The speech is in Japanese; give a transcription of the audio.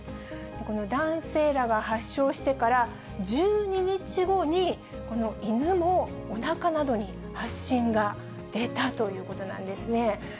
この男性らが発症してから１２日後に、この犬もおなかなどに発疹が出たということなんですね。